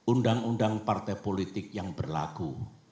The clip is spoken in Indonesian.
undang undang partai politik yang berlaku